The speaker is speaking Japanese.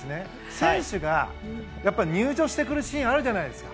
選手が入場してくるシーンあるじゃないですか。